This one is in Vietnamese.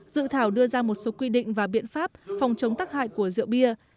dự thảo đưa ra một số quy định và biện pháp phòng chống tắc hại của rượu bia